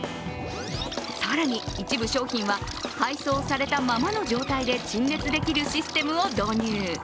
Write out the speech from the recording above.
更に一部商品は、配送されたままの状態で陳列できるシステムを導入。